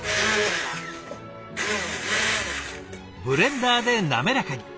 ブレンダーで滑らかに。